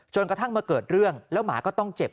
กระทั่งมาเกิดเรื่องแล้วหมาก็ต้องเจ็บ